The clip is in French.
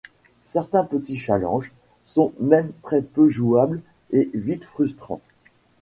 Certains petits challenges sont même très peu jouables et vite frustrants.